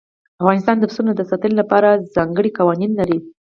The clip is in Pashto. افغانستان د پسونو د ساتنې لپاره ځانګړي قوانين لري.